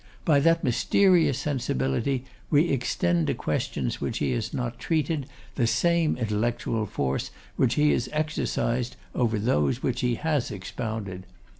By that mysterious sensibility we extend to questions which he has not treated, the same intellectual force which he has exercised over those which he has expounded.